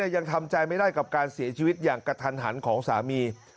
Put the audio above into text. ยังทำใจไม่ได้กับการเสียชีวิตอย่างกระทันหันของสามี